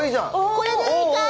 これでいいかい？